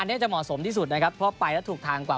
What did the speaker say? อันนี้จะเหมาะสมที่สุดนะครับเพราะไปแล้วถูกทางกว่า